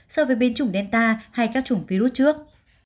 so với biến chủng delta hay các chủng virus trước